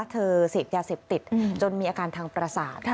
เสพยาเสพติดจนมีอาการทางประสาท